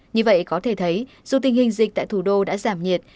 như vậy có thể thấy dù tình hình dịch tại thủ đô đã giảm nhiệt